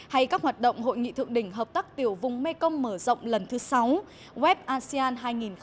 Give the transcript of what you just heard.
hay các hoạt động hội nghị thượng đỉnh hợp tác tiểu vùng mekong mở rộng lần thứ sáu web asean hai nghìn hai mươi